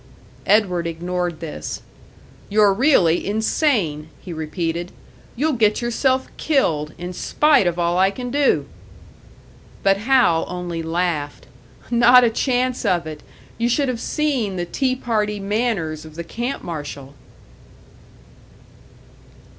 Edward ignored this. "You're really insane!" he repeated. "You'll get yourself killed, in spite of all I can do!" But Hal only laughed. "Not a chance of it! You should have seen the tea party manners of the camp marshal!"